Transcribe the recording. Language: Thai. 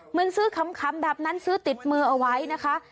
เหมือนซื้อขำแบบนั้นซื้อติดมือเอาไว้นะคะ